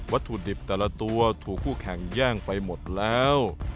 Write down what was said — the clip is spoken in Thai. ถุดิบแต่ละตัวถูกคู่แข่งแย่งไปหมดแล้ว